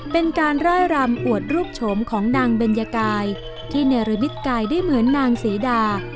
เป็นการร่ายรำอวดรูปโฉมของนางเบญกายที่เนรมิตกายได้เหมือนนางศรีดา